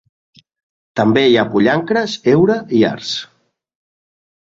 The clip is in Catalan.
També hi ha pollancres, heura i arç.